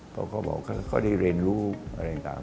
เพราะเขาบอกเขาได้เรียนรู้อะไรต่าง